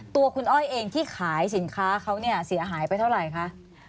ตัวคุณอ้อยเองที่ขายสินค้าเขาเนี่ยเสียหายไปเท่าไหร่คะ